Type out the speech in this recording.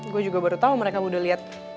gue juga baru tau mereka udah liat